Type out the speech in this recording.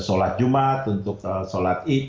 sholat jumat untuk sholat id